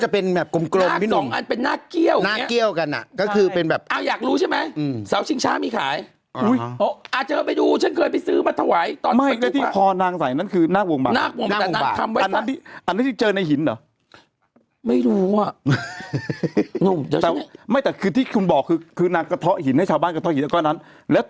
เพราะเขานิดหนึ่งเขาก็ทั่วแล้ว